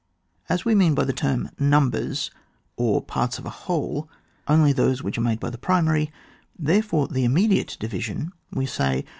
As we mean by the term numbers, or part« of a whole, only those which are made by the primary, therefore the im mediate division, we say.